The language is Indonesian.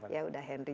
ya udah henry